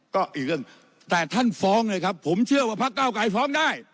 ก็อีกเรื่องแต่ท่านฟ้องเลยครับผมเชื่อว่าพักเก้าไกรฟ้องได้